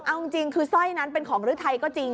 เอาจริงคือสร้อยนั้นเป็นของฤทัยก็จริง